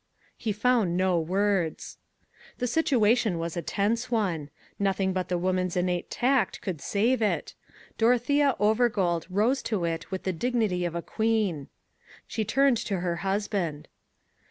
He found no words. The situation was a tense one. Nothing but the woman's innate tact could save it. Dorothea Overgold rose to it with the dignity of a queen. She turned to her husband.